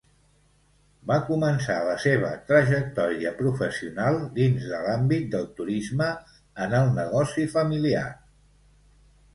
Va començar la seva trajectòria professional dins de l'àmbit del turisme en el negoci familiar.